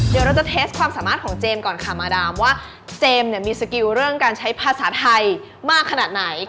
เดี๋ยวเราจะเทสความสามารถของเจมส์ก่อนค่ะมาดามว่าเจมส์เนี่ยมีสกิลเรื่องการใช้ภาษาไทยมากขนาดไหน